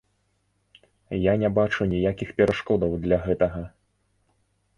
Я не бачу ніякіх перашкодаў для гэтага.